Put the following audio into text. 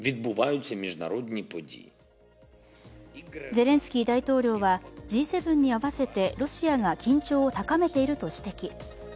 ゼレンスキー大統領は、Ｇ７に合わせてロシアが緊張を高めていると指摘。